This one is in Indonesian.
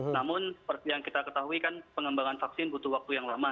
namun seperti yang kita ketahui kan pengembangan vaksin butuh waktu yang lama